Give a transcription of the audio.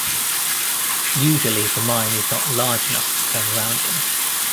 Usually, the mine is not large enough to turn around in.